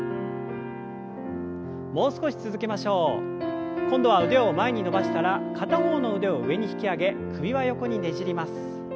もう少し続けましょう。今度は腕を前に伸ばしたら片方の腕を上に引き上げ首は横にねじります。